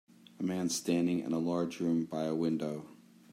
A man standing in a large room by a window.